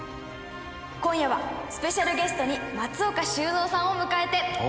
今夜はスペシャルゲストに松岡修造さんを迎えて。